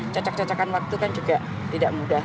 cacak cacakan waktu kan juga tidak mudah